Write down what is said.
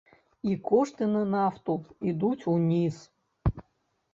І кошты на нафту ідуць уніз.